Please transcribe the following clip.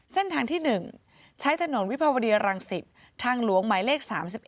เส้นทางที่๑ใช้ถนนวิภาวดีรังสิตทางหลวงหมายเลข๓๑